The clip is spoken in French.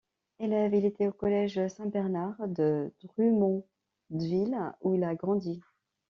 Élève, il était au Collège Saint-Bernard de Drummondville où il a grandi.